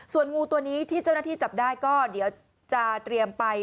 ส่วนงูตัวนี้ที่เจ้าหน้าที่จับได้ก็เดี๋ยวจะเตรียมไป